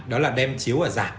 đó là đem chiếu và giảm